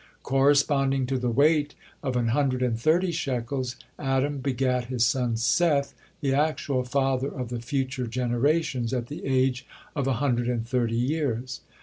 Corresponding to the weight of "an hundred and thirty shekels," Adam begat his son Seth, the actual father of the future generations, at the age of a hundred and thirty years.